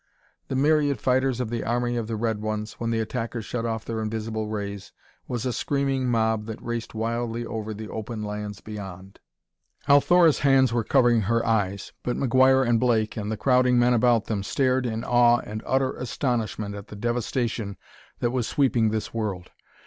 The myriad fighters of the army of the red ones, when the attackers shut off their invisible rays, was a screaming mob that raced wildly over the open lands beyond. Althora's hands were covering her eyes, but McGuire and Blake, and the crowding men about them, stared in awe and utter astonishment at the devastation that was sweeping this world.